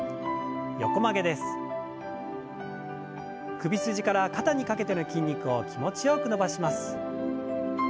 首筋から肩にかけての筋肉を気持ちよく伸ばします。